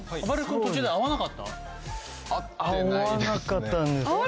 会わなかったんですけど。